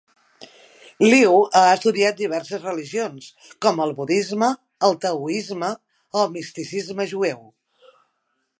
Liu ha estudiat diverses religions, com el budisme, el taoisme i el misticisme jueu.